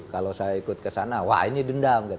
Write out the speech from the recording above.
kalau saya ikut ke sana wah ini dendam